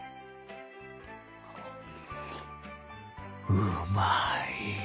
うまい！